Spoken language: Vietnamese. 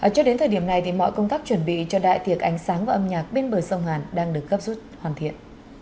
cho đến thời điểm này mọi công tác chuẩn bị cho đại tiệc ánh sáng và âm nhạc bên bờ sông hàn đang được gấp rút hoàn thiện